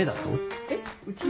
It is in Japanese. えっうちの？